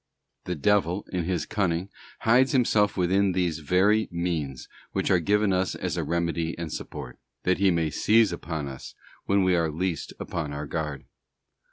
The devil, in his cunning, hides himself within those very means which are given us as a remedy and support, that he may seize upon us when we are least upon our guard.